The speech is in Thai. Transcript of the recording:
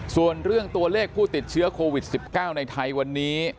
ส่วนเรื่องตัวเลขผู้ติดเชื้อโควิด๑๙ในไทยวันนี้